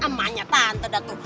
emanya tante datu